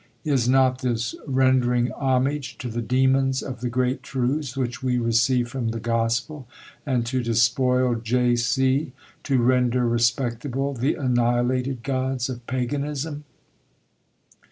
Is not this rendering homage to the demons of the great truths which we receive from the Gospel, and to despoil J. C. to render respectable the annihilated gods of paganism?